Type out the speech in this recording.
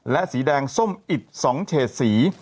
และสีแดงส้มอิด๒เฉดสี